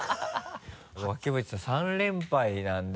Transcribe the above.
脇淵さん３連敗なんで。